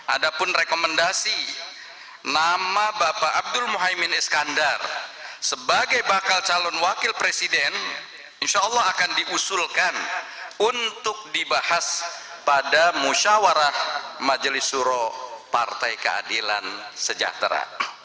ada pun rekomendasi nama bapak abdul muhaymin iskandar sebagai bakal calon wakil presiden insyaallah akan diusulkan untuk dibahas pada musyawarah majelis suro partai keadilan sejahtera